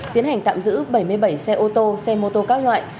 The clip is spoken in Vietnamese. tiến hành tạm giữ bảy mươi bảy xe ô tô xe mô tô các loại